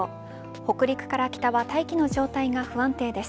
北陸から北は大気の状態が不安定です。